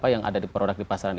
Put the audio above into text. yang ada di produk di pasaran